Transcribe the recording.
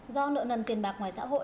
do nợ nần tiền bạc ngoài xã hội